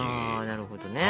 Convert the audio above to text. なるほどね。